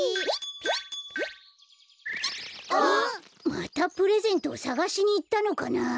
またプレゼントをさがしにいったのかな？